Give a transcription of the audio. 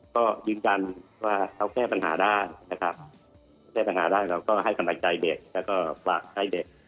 ก็ยืนกันว่าเขาแก้ปัญหาได้แล้วก็ให้สำรัจใจเด็กและฝากใดเด็ก